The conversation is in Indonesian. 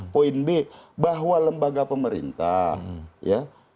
poin b bahwa lembaga pemerintah ya